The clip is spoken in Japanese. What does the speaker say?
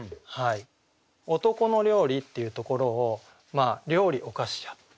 「男の料理」っていうところを「料理をかしや」。